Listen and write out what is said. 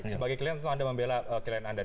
sebagai klien tentu anda membela klien anda